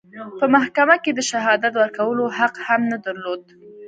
په محکمه کې د شهادت ورکولو حق هم نه درلود.